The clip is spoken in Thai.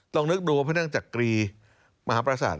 ต้องนึกดูว่าเพศนั่งจากกรีมหาประสาท